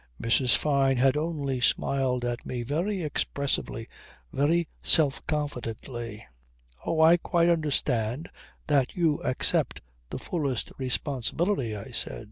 Mrs. Fyne had only smiled at me very expressively, very self confidently. "Oh I quite understand that you accept the fullest responsibility," I said.